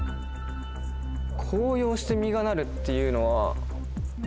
紅葉して実がなるっていうのは。